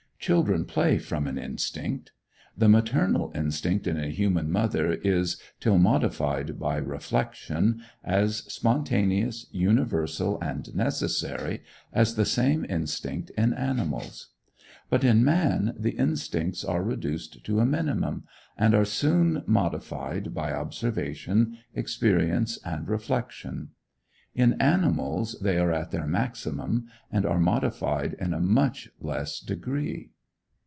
Children play from an instinct. The maternal instinct in a human mother is, till modified by reflection, as spontaneous, universal, and necessary as the same instinct in animals. But in man the instincts are reduced to a minimum, and are soon modified by observation, experience, and reflection. In animals they are at their maximum, and are modified in a much less degree.